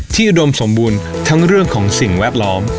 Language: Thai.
อุดมสมบูรณ์ทั้งเรื่องของสิ่งแวดล้อม